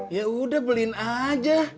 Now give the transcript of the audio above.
yaudah beliin aja